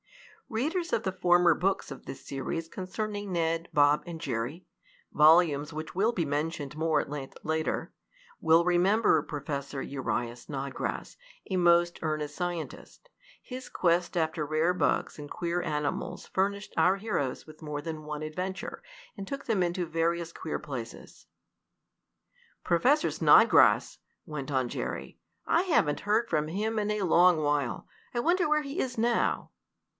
Readers of the former books of this series concerning Ned, Bob and Jerry (volumes which will be mentioned more at length later) will remember Professor Uriah Snodgrass, a most earnest scientist. His quest after rare bugs and queer animals furnished our heroes with more than one adventure, and took them into various queer places. "Professor Snodgrass!" went on Jerry. "I haven't heard from him in a long while. I wonder where he is now?"